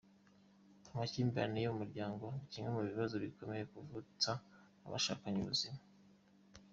Amakimbirane yo mu muryango ni kimwe mu bibazo bikomeje kuvutsa abashakanye ubuzima.